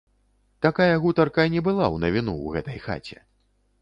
Такая гутарка не была ў навіну ў гэтай хаце.